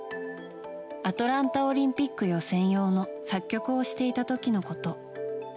アトランタオリンピック予選用の作曲をしていた時のこと。